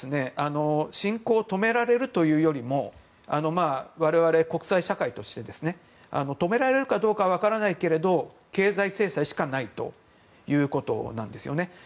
侵攻を止められるというよりも我々、国際社会として止められるかどうかは分からないけれど経済制裁しかないということなんですよね。